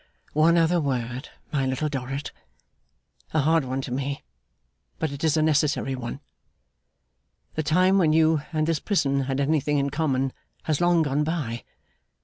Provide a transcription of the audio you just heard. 'One other word, my Little Dorrit. A hard one to me, but it is a necessary one. The time when you and this prison had anything in common has long gone by.